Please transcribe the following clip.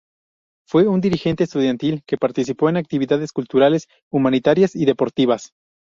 Fue un dirigente estudiantil que participó en actividades culturales, humanitarias y deportivas.